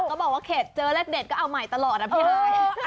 ก็บอกว่าเข็ดเจอเลขเด็ดก็เอาใหม่ตลอดนะพี่เฮ้ย